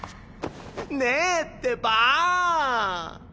ねえってば。